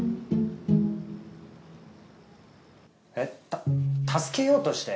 えた助けようとして？